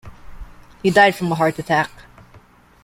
He died from a heart attack.